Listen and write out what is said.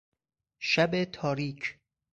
شب تاریک